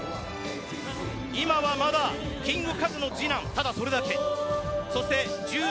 今はまだ、キングカズの次男ただそれだけ。